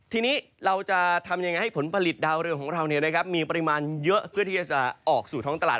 ทีนี้เราจะทำยังไงให้ผลผลิตดาวเรืองของเรามีปริมาณเยอะเพื่อที่จะออกสู่ท้องตลาด